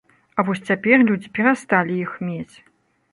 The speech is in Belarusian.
А вось цяпер людзі перасталі іх мець.